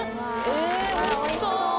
えっおいしそう。